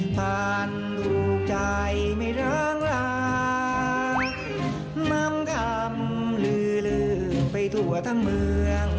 ผ่านลูกใจไม่ร้างลามคำลือลืมไปทั่วทั้งเมือง